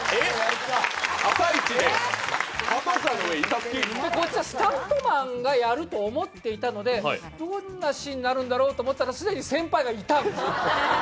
で、こっちはスタントマンがやると思っていたのでどんなシーンになるんだろうと思っていたら既に先輩がいたんですよ。ね？